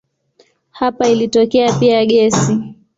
Hapa ilitokea pia gesi.